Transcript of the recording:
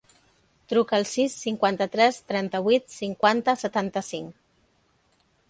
Truca al sis, cinquanta-tres, trenta-vuit, cinquanta, setanta-cinc.